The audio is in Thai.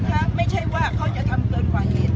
ครับไม่ใช่ว่าเขาจะทำเปิดเวลาเหตุ